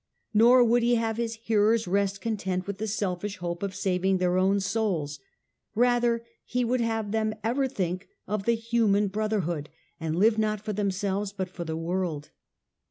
Nor would he have his hearers rest content with the selfish hope of saving their own souls ; rather, he would have them ever think of the human brotherhood, and live not for themselves but for the world.